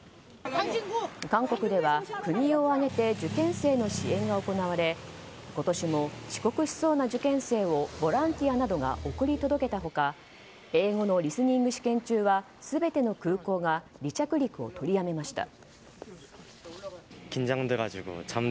韓国では国を挙げて受験生の支援が行われ今年も遅刻しそうな受験生をボランティアなどが送り届けた他英語のリスニング試験中は全ての空港が離着陸を取りやめました。